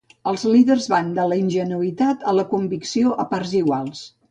Els líders van de la ingenuïtat a la convicció a parts iguals.